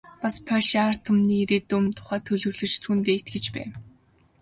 Бас польшийн ард түмний ирээдүйн тухай төлөвлөж, түүндээ итгэж байв.